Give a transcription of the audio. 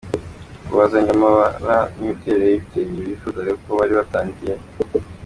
kubazanira amabara n’imiterere y’ibitenge bifuzaga kuko bari batangiye